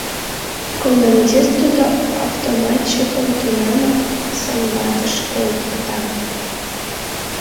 Командир тудо автоматчикым тунамак санбатыш колтыкта.